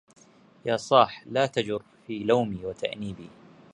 يا صاح لا تجر في لومي وتأنيبي